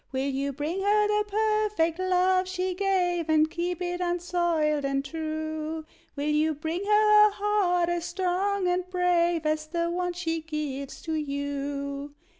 Will you bring her the perfect love she gave, And keep it unsoiled and true? Will you bring her a heart as strong and brave As the one she gives to you?